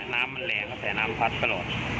น้ำมันแหลงแสนน้ำพัดไปหล่อ